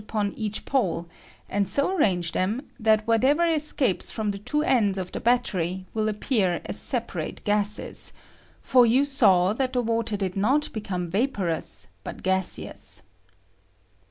L O H upon each pole, aud so arrange them that whatever escapes from the two ends of the battery will appear aa separate gases ; for you saw that the water did not become vaporous, but gaseous.